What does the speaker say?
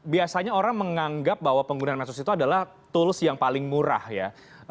biasanya orang menganggap bahwa penggunaan medsos itu adalah tools yang paling murah ya